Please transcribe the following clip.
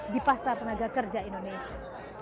di pasar tenaga kerja indonesia